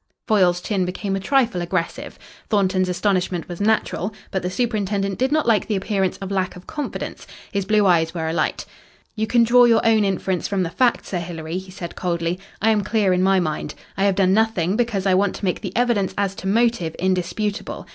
Foyle's chin became a trifle aggressive. Thornton's astonishment was natural, but the superintendent did not like the appearance of lack of confidence. His blue eyes were alight. "You can draw your own inference from the facts, Sir Hilary," he said coldly. "I am clear in my mind. I have done nothing, because I want to make the evidence as to motive indisputable.